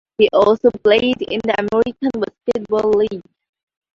He also played in the American Basketball League.